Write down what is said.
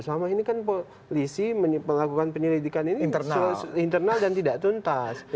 selama ini kan polisi melakukan penyelidikan ini internal dan tidak tuntas